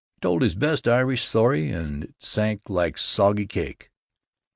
He told his best Irish story, but it sank like soggy cake.